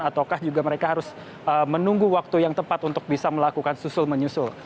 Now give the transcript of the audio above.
ataukah juga mereka harus menunggu waktu yang tepat untuk bisa melakukan susul menyusul